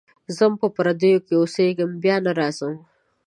ځم په پردیو کي اوسېږمه بیا نه راځمه.